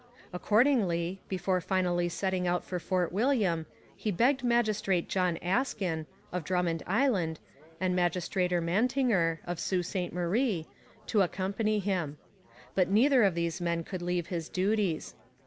Accordingly, before finally setting out for Fort William, he begged Magistrate John Askin, of Drummond Island, and Magistrate Ermatinger, of Sault Ste Marie, to accompany him. But neither of these men could leave his duties.